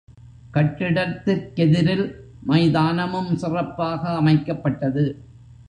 கட்டிடத்திற் கெதிரில் மைதானமும் சிறப்பாக அமைக்கப்பட்டது.